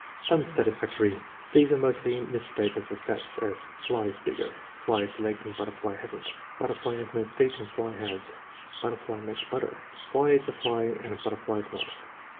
Unsatisfactory. These are mostly misstatements of facts; as: "Fly is bigger." "Fly has legs and butterfly has n't." "Butterfly has no feet and fly has." "Butterfly makes butter." " Fly is a fly and a butterfly is not."